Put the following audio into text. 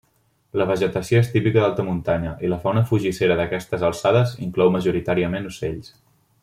La vegetació és típica d'alta muntanya i la fauna fugissera d'aquestes alçades inclou majoritàriament ocells.